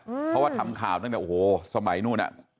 เพราะว่าทำข่าวตั้งแต่โอ้โหสมัยนู้นอ่ะ